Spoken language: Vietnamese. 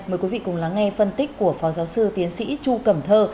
mời quý vị cùng lắng nghe phân tích của phó giáo sư tiến sĩ chu cẩm thơ